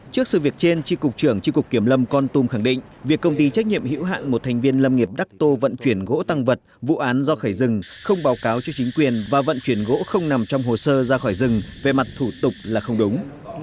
trước sự việc trên tri cục trưởng tri cục kiểm lâm con tum khẳng định việc công ty trách nhiệm hữu hạn một thành viên lâm nghiệp đắc tô vận chuyển gỗ tăng vật vụ án do khởi rừng không báo cáo cho chính quyền và vận chuyển gỗ không nằm trong hồ sơ ra khỏi rừng về mặt thủ tục là không đúng